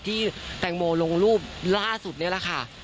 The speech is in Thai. ที่แตงโมลงรูปล่าสุดนี่แหละค่ะ